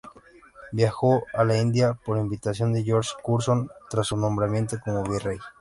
Viajó a la India por invitación de George Curzon, tras su nombramiento como virrey.